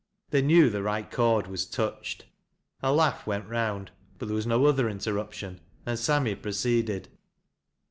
They knew the right chord was touched. A laugh went round, but there was no other interruption and Sammy proceeded.